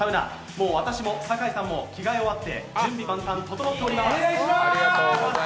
もう私も酒井さんも着替え終わって、準備万端、整っております。